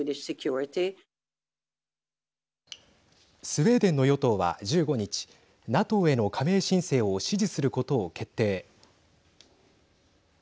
スウェーデンの与党は１５日ＮＡＴＯへの加盟申請を支持することを決定。